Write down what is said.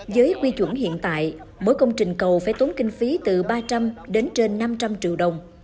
với quy chuẩn hiện tại mỗi công trình cầu phải tốn kinh phí từ ba trăm linh đến trên năm trăm linh triệu đồng